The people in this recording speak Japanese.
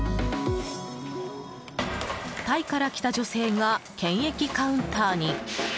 タイから来た女性が検疫カウンターに。